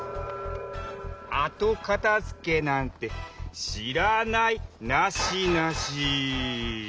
あとかたづけなんてしらないナシナシ！